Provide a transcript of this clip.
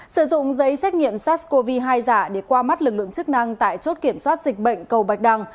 sử dụng giấy xét nghiệm sars cov hai giả để qua mắt lực lượng chức năng tại chốt kiểm soát dịch bệnh cầu bạch đăng